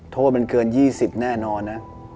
โทษมันเกิน๒๐แน่นอนนะ